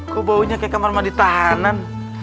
kok baunya kayak kamar mandi tahanan